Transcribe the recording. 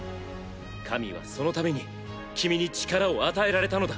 神はそのために君に力を与えられたのだ。